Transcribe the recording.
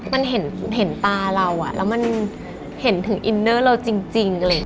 มันเห็นตาเราแล้วมันเห็นถึงจริงเลย